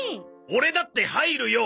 オレだって入るよ！